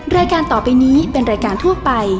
รายการต่อไปนี้เป็นรายการทั่วไป